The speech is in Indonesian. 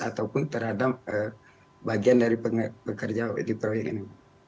ataupun terhadap bagian dari pekerja di proyek ini